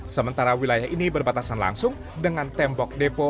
sementara wilayah ini berbatasan langsung dengan tembok depo